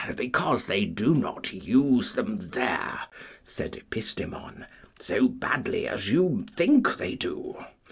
Because they do not use them there, said Epistemon, so badly as you think they do.